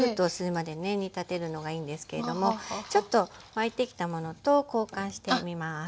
煮立てるのがいいんですけれどもちょっと沸いてきたものと交換してみます。